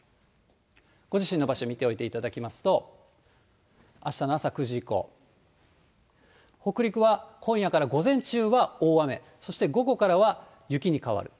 ご自身の場所、見ておいていただきますと、あしたの朝９時以降、北陸は今夜から午前中は大雨、そして午後からは雪に変わる。